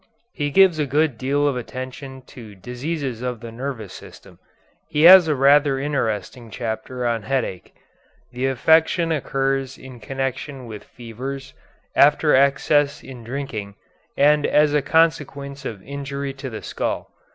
He gives a good deal of attention to diseases of the nervous system. He has a rather interesting chapter on headache. The affection occurs in connection with fevers, after excess in drinking, and as a consequence of injury to the skull.